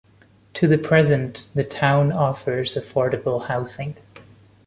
To the present, the town offers affordable housing.